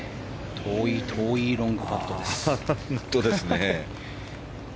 遠い遠いロングパットです。